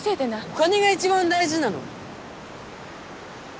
お金が一番大事なの？